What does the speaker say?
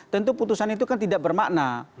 tentu putusan itu kan tidak bermakna